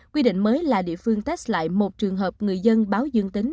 quy định mới là địa phương test lại một trường hợp người dân báo dương tính